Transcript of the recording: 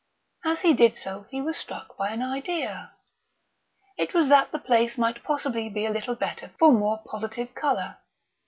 As he did so, he was struck by an idea. It was that the place might possibly be a little better for more positive colour.